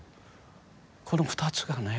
この２つがね